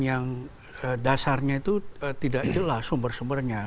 yang dasarnya itu tidak jelas sumber sumbernya